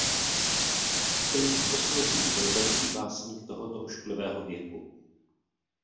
Filip Poslední byl veliký básník tohoto ošklivého věku.